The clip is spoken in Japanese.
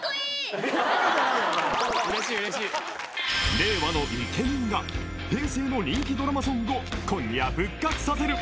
［令和のイケメンが平成の人気ドラマソングを今夜復活させる］